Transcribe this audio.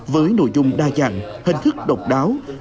với nội dung đa dạng hình thức độc đáo